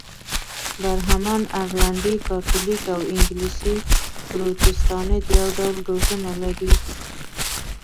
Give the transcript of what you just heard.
برهمن، ارلنډي کاتولیک او انګلیسي پروتستانت یو ډول روزنه لري.